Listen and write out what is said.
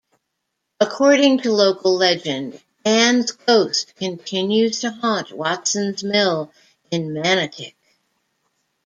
According to local legend, Ann's ghost continues to haunt Watson's Mill in Manotick.